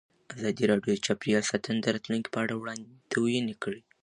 ازادي راډیو د چاپیریال ساتنه د راتلونکې په اړه وړاندوینې کړې.